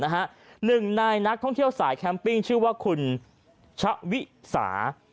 หนึ่งในนักท่องเที่ยวสายแคมปิ้งชื่อว่าคุณชะวิสา